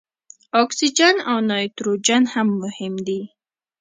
اکسیجن او نایتروجن هم مهم دي.